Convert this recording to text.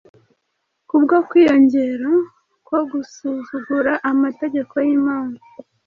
Kubwo kwiyongera ko gusuzugura amategeko y’Imana